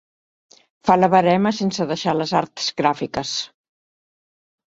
Fa la verema sense deixar les arts gràfiques.